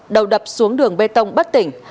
đầu đập xuống đường bê tông bất tỉnh